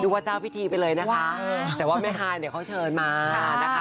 ว่าเจ้าพิธีไปเลยนะคะแต่ว่าแม่ฮายเนี่ยเขาเชิญมานะคะ